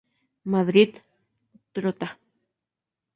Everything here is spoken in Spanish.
Madrid: Trotta.